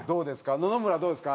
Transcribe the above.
野々村どうですか？